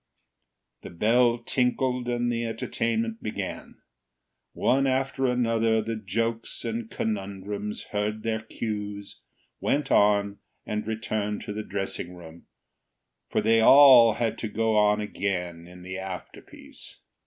The bell tinkled and the entertainment began. One after another the Jokes and Conundrums heard their cues, went on, and returned to the dressing room, for they all had to go on again in the after piece.